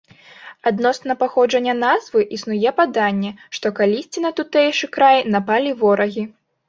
Адносна паходжання назвы існуе паданне, што калісьці на тутэйшы край напалі ворагі.